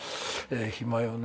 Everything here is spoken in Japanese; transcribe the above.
暇よね。